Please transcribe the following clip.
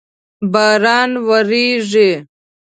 باران وریږی